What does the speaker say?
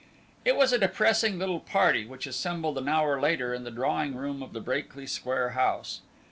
It was a depressed little party which assembled an hour later in the drawing room of the Brakely Square house.